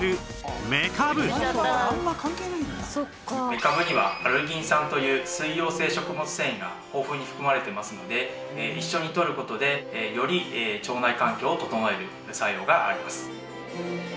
めかぶにはアルギン酸という水溶性食物繊維が豊富に含まれてますので一緒にとる事でより腸内環境を整える作用があります。